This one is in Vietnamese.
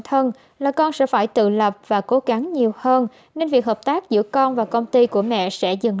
thân là con sẽ phải tự lập và cố gắng nhiều hơn nên việc hợp tác giữa con và công ty của mẹ sẽ dần